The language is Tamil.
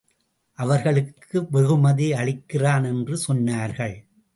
அவர்களுக்கு வெகுமதி அளிக்கிறான் என்று சொன்னார்கள்.